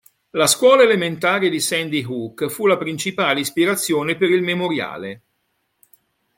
La scuola elementare di Sandy Hook fu la principale ispirazione per il memoriale.